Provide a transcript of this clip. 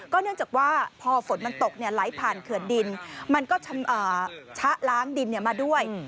เนื่องจากว่าพอฝนมันตกไหลผ่านเขื่อนดินมันก็ชะล้างดินมาด้วย